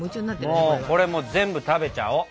もうこれ全部食べちゃお！